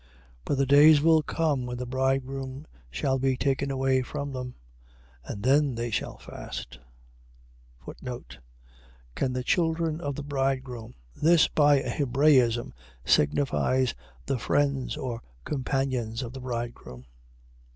But the days will come, when the bridegroom shall be taken away from them, and then they shall fast. Can the children of the bridegroom. . .This, by a Hebraism, signifies the friends or companions of the bridegroom.